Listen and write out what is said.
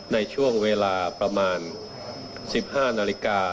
ในช่วงเวลาประมาณ๑๕นาฬิกา